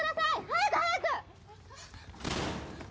早く早く！